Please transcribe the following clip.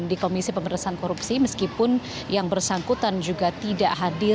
di komisi pemerintahan korupsi meskipun yang bersangkutan juga tidak hadir